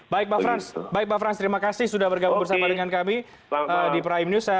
baik pak frans baik pak frans terima kasih sudah bergabung bersama dengan kami di prime news